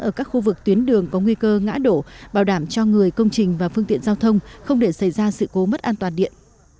ở các khu vực tuyến đường có nguy cơ ngã đổ bảo đảm cho người công trình và phương tiện giao thông không để xảy ra sự cố mất an toàn điện